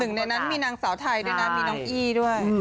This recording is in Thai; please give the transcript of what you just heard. ในนั้นมีนางสาวไทยด้วยนะมีน้องอี้ด้วย